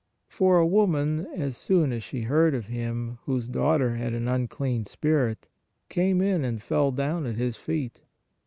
For a woman, as soon as she heard of Him, whose daugh ter had an unclean spirit, came in and fell down at His feet.